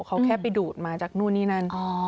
เขาแค่ไปดูดมาจากนู่นนี่นั่น